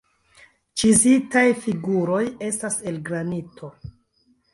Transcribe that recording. Ĉizitaj figuroj estas el granito.